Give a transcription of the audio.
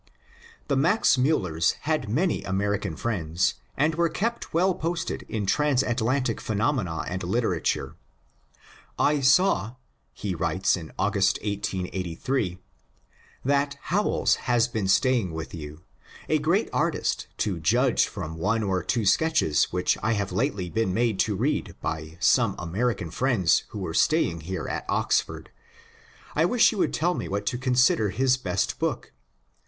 The Max Miillers had many American friends, and were kept well posted in transatlantic phenomena and literature. ^'I saw," he writes in August, 1888, *Hhat Howells has been staying with you — a great artist, to judge from one or two sketches which I have lately been made to read by some American friends who are staying here at Oxford. I wish you would tell me what you consider his best book.